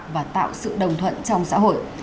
và tạo sự đồng thuận trong xã hội